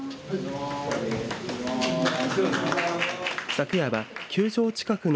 昨夜は球場近くの